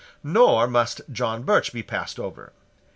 Nor must John Birch be passed over.